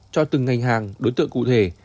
cho từng ngành hàng đối tượng cụ thể